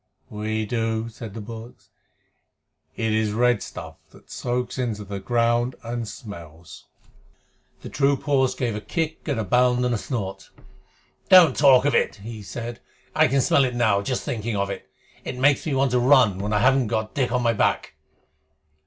"We do," said the bullocks. "It is red stuff that soaks into the ground and smells." The troop horse gave a kick and a bound and a snort. "Don't talk of it," he said. "I can smell it now, just thinking of it. It makes me want to run when I haven't Dick on my back."